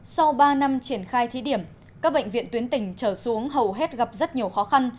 sau ba năm triển khai thí điểm các bệnh viện tuyến tỉnh trở xuống hầu hết gặp rất nhiều khó khăn